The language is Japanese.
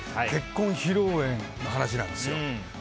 結婚披露宴の話なんですよ。